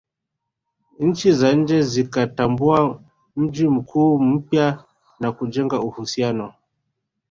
Nchi za nje zikatambua mji mkuu mpya na kujenga uhusiano